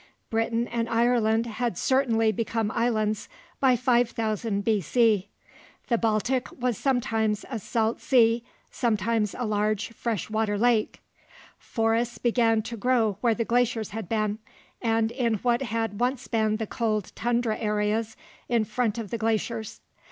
Britain and Ireland had certainly become islands by 5000 B.C. The Baltic was sometimes a salt sea, sometimes a large fresh water lake. Forests began to grow where the glaciers had been, and in what had once been the cold tundra areas in front of the glaciers.